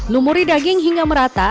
lumuri daging hingga merata